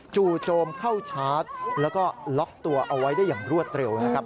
จู่โจมเข้าชาร์จแล้วก็ล็อกตัวเอาไว้ได้อย่างรวดเร็วนะครับ